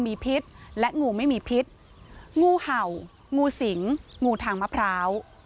มีพิษและงูไม่มีพิษงูเห่างูสิงงูทางมะพร้าว